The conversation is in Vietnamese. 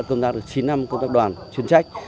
công tác được chín năm công tác đoàn chuyên trách